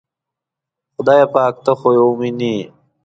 خدایه پاکه ته خو یې وینې.